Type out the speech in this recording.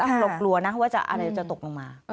อ้าวหลวงกลัวนะว่าจะอะไรจะตกลงมา